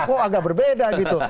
kok agak berbeda gitu